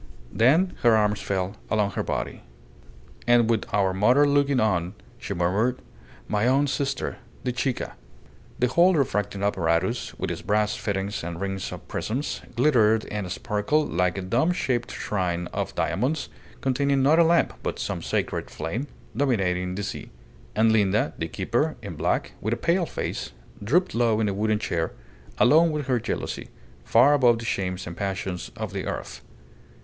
Then her arms fell along her body. "And with our mother looking on," she murmured. "My own sister the Chica!" The whole refracting apparatus, with its brass fittings and rings of prisms, glittered and sparkled like a domeshaped shrine of diamonds, containing not a lamp, but some sacred flame, dominating the sea. And Linda, the keeper, in black, with a pale face, drooped low in a wooden chair, alone with her jealousy, far above the shames and passions of the earth.